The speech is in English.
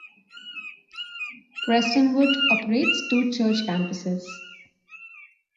Prestonwood operates two church campuses.